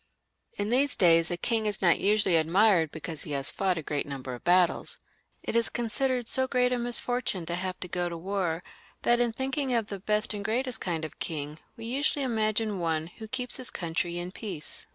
Li these days a king is not usually admired because he has fought a great number of battles. It is considered so great a misfortune to have to go to war, that in thinking of the best and greatest kind of king we usually imagine one who keeps his country in peace.